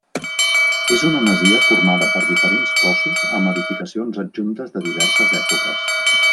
És una masia formada per diferents cossos amb edificacions adjuntes de diverses èpoques.